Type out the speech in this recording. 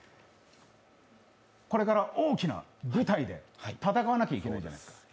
これから大きな舞台で戦わなきゃいけないじゃないですか。